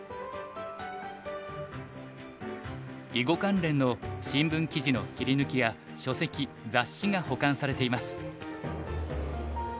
囲碁関連の新聞記事の切り抜きや書籍雑誌が保管されています。